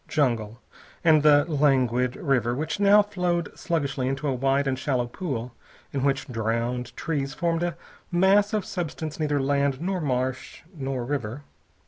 Jungle, and the languid river which now flowed sluggishly into a wide and shallow pool in which drowned trees formed a mass of substance neither land nor marsh nor river.